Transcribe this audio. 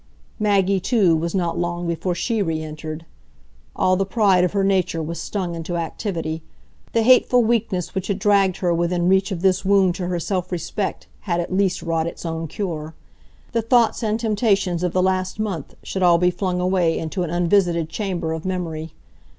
Maggie, too, was not long before she re entered. All the pride of her nature was stung into activity; the hateful weakness which had dragged her within reach of this wound to her self respect had at least wrought its own cure. The thoughts and temptations of the last month should all be flung away into an unvisited chamber of memory.